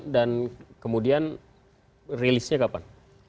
dan kemudian rilisnya kapan